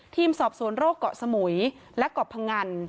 ทีมสอบสวนโรคเกาะสมุยและเกาะพงัน